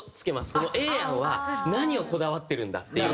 このＡ案は何をこだわってるんだっていうところ。